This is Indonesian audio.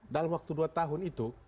dalam waktu dua tahun itu